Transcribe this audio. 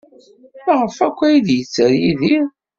Maɣef akk ay d-yetter Yidir?